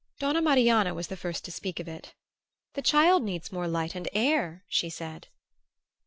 Donna Marianna was the first to speak of it. "The child needs more light and air," she said.